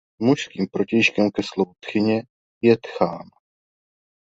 Mužským protějškem ke slovu tchyně je tchán.